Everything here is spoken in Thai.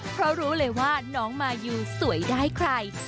เพราะรู้เลยว่าน้องมายูสวยได้ใคร